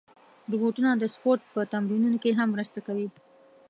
روبوټونه د سپورت په تمرینونو کې هم مرسته کوي.